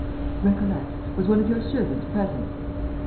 "Recollect. Was one of your servants present?"